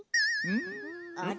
あれ？